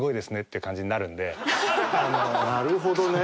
なるほどね。